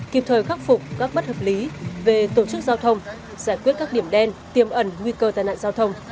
kịp thời khắc phục các bất hợp lý về tổ chức giao thông giải quyết các điểm đen tiêm ẩn nguy cơ tai nạn giao thông